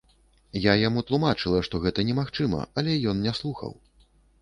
Я яму тлумачыла, што гэта немагчыма, але ён не слухаў.